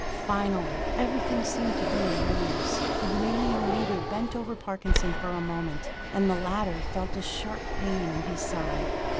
Finally, everything seemed to be in readiness. The Venerian leader bent over Parkinson for a moment: and the latter felt a sharp pain in his side.